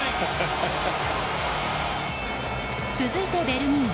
続いてベルギー。